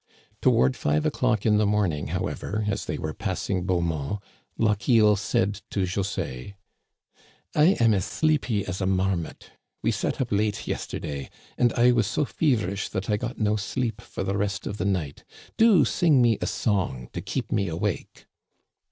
Toward five o'clock in the morning, however, as they were passing Beaumont, Lochiel said to José :I am as sleepy as a marmot. We sat up late yes terday, and I was so feverish that I got no sleep for the rest of the night. Do sing me a song to keep me awake."